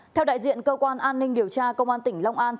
theo đại diện cơ quan an ninh điều tra công an tỉnh long an